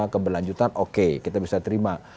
keberlanjutan oke kita bisa terima